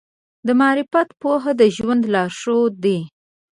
د معرفت پوهه د ژوند لارښود دی.